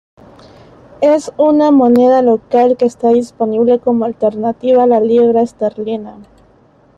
Esta es una moneda local que está disponible como alternativa a la libra esterlina.